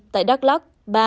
tại đắk lóc ba